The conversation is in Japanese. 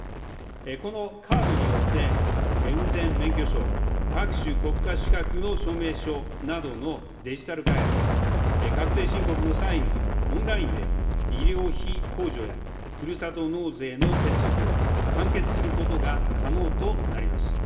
このカードによって、運転免許証、各種国家資格の証明書などのデジタル化や、確定申告の際にオンラインで医療費控除やふるさと納税の手続きを完結することが可能となります。